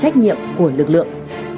trách nhiệm của lực lượng